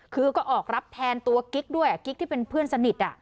คือก็ออกรับแทนตัวกิ๊กด้วยกิ๊กที่เป็นเพื่อนสนิท